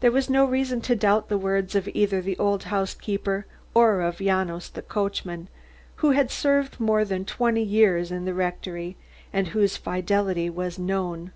There was no reason to doubt the words of either the old housekeeper or of Janos, the coachman, who had served for more than twenty years in the rectory and whose fidelity was known.